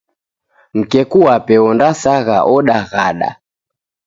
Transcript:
Mkeku wape ondasagha odaghada!